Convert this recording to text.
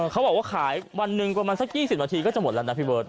เขาบอกว่าขายวันหนึ่งประมาณสัก๒๐นาทีก็จะหมดแล้วนะพี่เบิร์ต